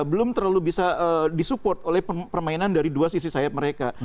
belum terlalu bisa disupport oleh permainan dari dua sisi sayap mereka